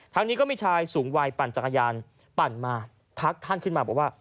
นี้ก็มีชายสูงวัยปั่นจักรยานปั่นมาทักท่านขึ้นมาบอกว่า